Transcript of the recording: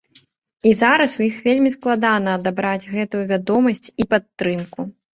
І зараз у іх вельмі складана адабраць гэтую вядомасць і падтрымку.